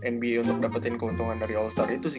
nba untuk dapetin keuntungan dari all star itu sih